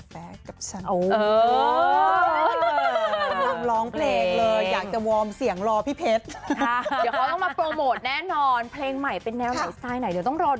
โปรดติดตามตอนต่อไป